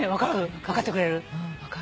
分かる。